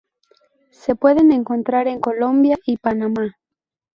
Se pueden encontrar en Colombia y Panamá.